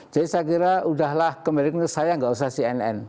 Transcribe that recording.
jadi saya kira udahlah kembali ke saya tidak usah cnn